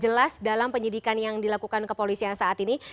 jelas dalam penyidikan yang dilakukan kepolisian saat ini